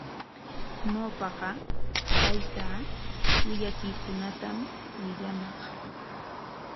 Ñawpaqa taytaa willakuykunatami willamaq.